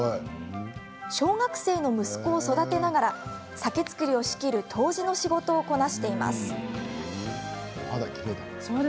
小学生の息子を育てながら酒造りを仕切る杜氏の仕事をこなしています。